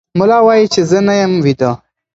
ملا وایي چې زه نه یم ویده.